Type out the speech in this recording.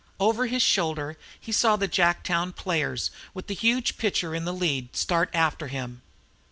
Over his shoulder he saw the Jacktown players, with the huge pitcher in the lead, start after him.